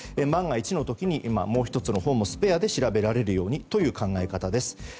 万が一の時に、もう１つのほうもスペアで調べられるようにという考え方です。